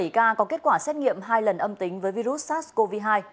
bảy ca có kết quả xét nghiệm hai lần âm tính với virus sars cov hai